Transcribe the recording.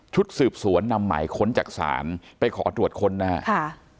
ชุดสืบสวนนำใหม่ค้นจักษานไปขอตรวจค้นนะครับ